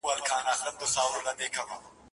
خلکو په کارونو کي لېوالتیا وښودله.